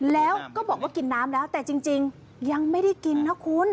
แล้วก็บอกว่ากินน้ำแล้วแต่จริงยังไม่ได้กินนะคุณ